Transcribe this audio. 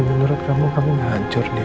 menurut kamu kami gak hancur deh